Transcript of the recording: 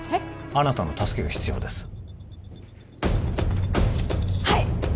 あなたの助けが必要ですはい！